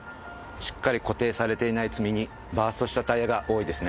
しっかり固定されていない積み荷バーストしたタイヤが多いですね。